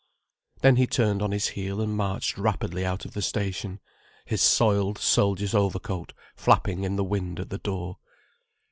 Then he turned on his heel and marched rapidly out of the station, his soiled soldier's overcoat flapping in the wind at the door.